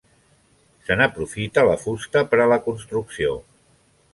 Se n'aprofita la fusta per a la construcció.